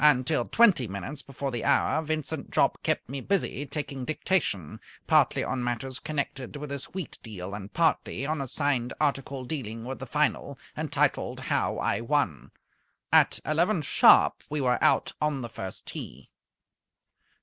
Until twenty minutes before the hour Vincent Jopp kept me busy taking dictation, partly on matters connected with his wheat deal and partly on a signed article dealing with the Final, entitled "How I Won." At eleven sharp we were out on the first tee.